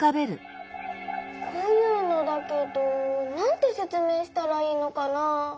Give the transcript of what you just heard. こういうのだけどなんてせつめいしたらいいのかな？